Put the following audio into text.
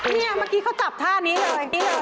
เมื่อกี้เขาจับท่านี้เลย